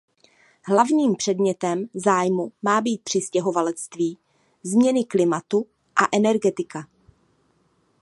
Hlavním předmětem zájmu má být přistěhovalectví, změny klimatu a energetika.